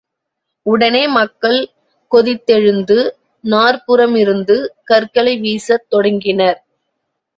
உடனே மக்கள் கொதித்தெழுந்து நாற்புறமிருந்து கற்களை வீசத் தொடங்கினர்.